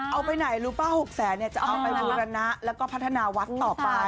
ว่า๖๐๐๐๐๐เนี่ยจะเอาไปบูรณะแล้วก็พัฒนาวักต์ต่อไป